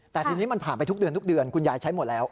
แต่ทีนี้มันผ่านไปทุกเดือนทุกเดือนคุณยายใช้หมดแล้ว